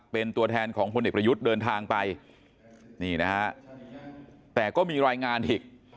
เป็นตัวแทนของพลเอกประยุทธ์เดินทางไปนี่นะฮะแต่ก็มีรายงานอีก